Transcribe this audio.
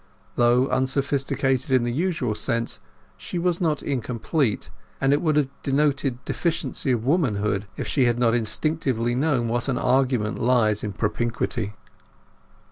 Though unsophisticated in the usual sense, she was not incomplete; and it would have denoted deficiency of womanhood if she had not instinctively known what an argument lies in propinquity.